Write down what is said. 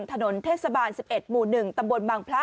ถนนเทศบาลสิบเอ็ดหมู่หนึ่งตำบลบางพละ